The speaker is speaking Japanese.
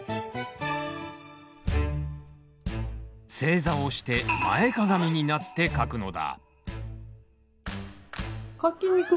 正座をして前かがみになって書くのだ。